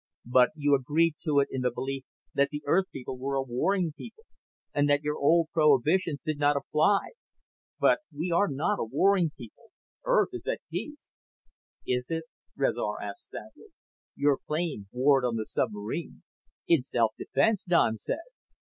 "But you agreed to it in the belief that the Earth people were a warring people and that your old prohibitions did not apply. But we are not a warring people. Earth is at peace." "Is it?" Rezar asked sadly. "Your plane warred on the submarine." "In self defense," Don said.